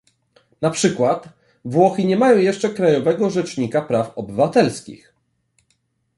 Na przykład, Włochy nie mają jeszcze krajowego Rzecznika Praw Obywatelskich